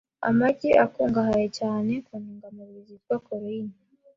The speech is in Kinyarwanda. Amagi akungahaye cyane ku ntungamubiri zitwa choline